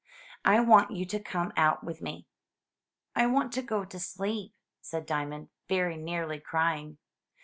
I want you to come out with me." "I want to go to sleep," said Diamond, very nearly crying.